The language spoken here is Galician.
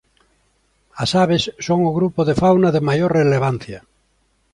As aves son o grupo de fauna de maior relevancia.